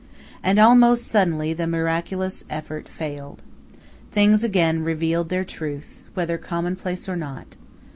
And almost suddenly the miraculous effort failed. Things again revealed their truth, whether commonplace or not.